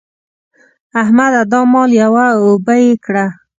احمده! دا مال یوه او اوبه يې کړه.